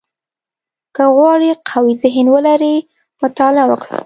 • که غواړې قوي ذهن ولرې، مطالعه وکړه.